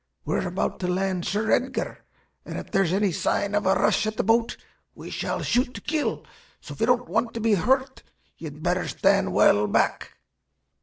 We're about to land Sir Edgar; and if there's any sign of a rush at the boat, we shall shoot to kill. So if you don't want to be hurt, you'd better stand well back."